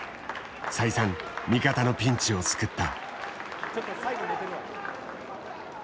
再三味方のピンチを救った。